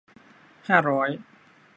ห้าร้อย